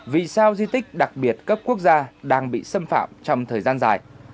vì sao di tích đặc biệt cấp quốc gia đang bị xâm phạm trong thời gian dài